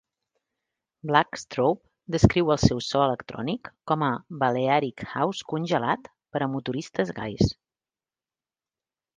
Black Strobe descriu el seu so electrònic com a "balearic house congelat per a motoristes gais".